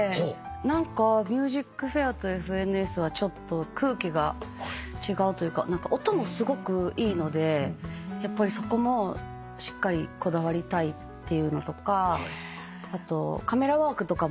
何か『ＭＵＳＩＣＦＡＩＲ』と『ＦＮＳ』はちょっと空気が違うというか音もすごくいいのでやっぱりそこもしっかりこだわりたいっていうのとかあとカメラワークとかもすごいじゃないですか。